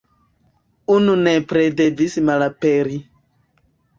Unu nepre devis malaperi."".